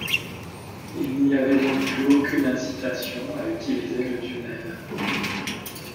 Il n'y avait donc plus aucune incitation à utiliser le tunnel.